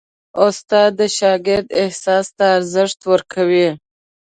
استاد د شاګرد احساس ته ارزښت ورکوي.